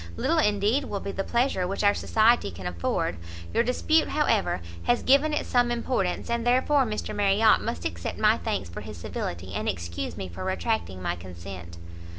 little indeed will be the pleasure which our society can afford! your dispute however, has given it some importance, and therefore Mr Marriot must accept my thanks for his civility, and excuse me for retracting my consent."